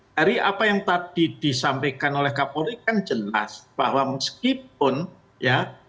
dari apa yang tadi disampaikan oleh kapolri kan jelas bahwa meskipun ya